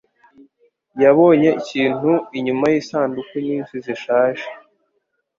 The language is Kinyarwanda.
Yabonye ikintu inyuma yisanduku nyinshi zishaje